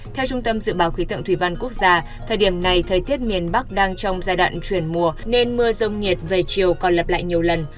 theo trung tâm dự báo khí tượng thủy văn quốc gia thời điểm này thời tiết miền bắc đang trong giai đoạn chuyển mùa nên mưa rông nhiệt về chiều còn lập lại nhiều lần